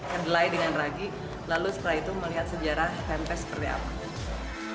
kedelai dengan ragi lalu setelah itu melihat sejarah tempe seperti apa